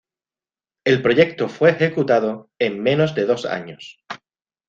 El proyecto fue ejecutado en menos de dos años.